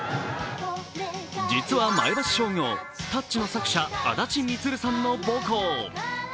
実は前橋商業、「タッチ」の作者あだち充さんの母校。